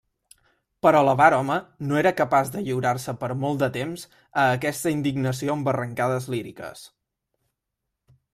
Però l'avar home no era capaç de lliurar-se per molt de temps a aquesta indignació amb arrancades líriques.